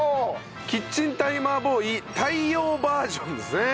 キッチンタイマーボーイ太陽バージョンですね。